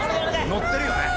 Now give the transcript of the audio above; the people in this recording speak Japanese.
のってるよね。